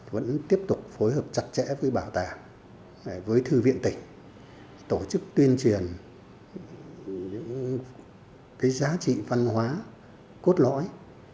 vẫn tiếp tục phối hợp chặt chẽ với bảo tàng với thư viện tỉnh tổ chức tuyên truyền những cái giá trị văn hóa cốt lõi